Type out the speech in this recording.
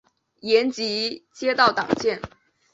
延吉街道党建